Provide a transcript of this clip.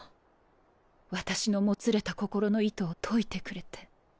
私のもつれた心の糸を解いてくれて。